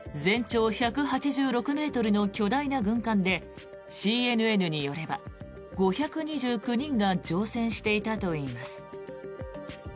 全長１８６ｍの巨大な軍艦でＣＮＮによれば５２９人が乗船していたといいます。